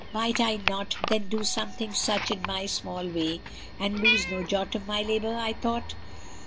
Might I not, then, do something such, in my small way, and lose no jot of my labor? I thought.